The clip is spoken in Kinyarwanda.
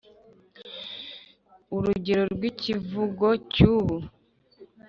urugero rwi kivugo cyubu: